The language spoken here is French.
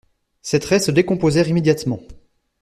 Ses traits se décomposèrent immédiatement.